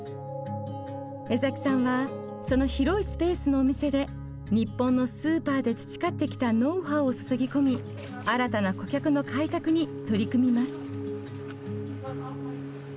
江崎さんはその広いスペースのお店で日本のスーパーで培ってきたノウハウを注ぎ込み新たな顧客の開拓に取り組みます。